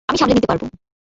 আমি সামলে নিতে পারবো।